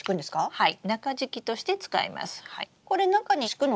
はい。